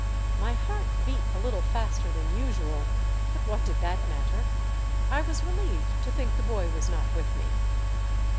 My heart beat a Httle faster than usual, but what did that matter ? I was relieved to think the boy was not with me.